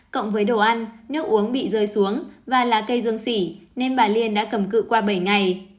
cộng với đồ ăn nước uống bị rơi xuống và là cây dương sỉ nên bà liên đã cầm cự qua bảy ngày